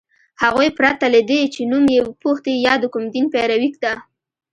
هغوی پرته له دې چي نوم یې وپوښتي یا د کوم دین پیروۍ ده